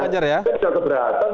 kita sudah keberatan